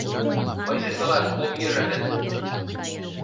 Мыйже тылат ом йӧрӧ гын